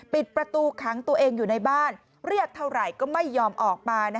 ปิดประตูขังตัวเองอยู่ในบ้านเรียกเท่าไหร่ก็ไม่ยอมออกมา